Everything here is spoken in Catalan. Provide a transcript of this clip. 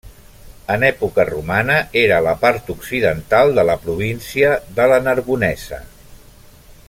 En època romana, era la part occidental de la província de la Narbonesa.